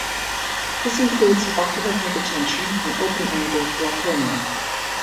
This includes ocular hypertension and open angle glaucoma.